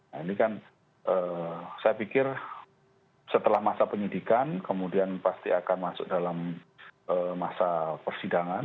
nah ini kan saya pikir setelah masa penyidikan kemudian pasti akan masuk dalam masa persidangan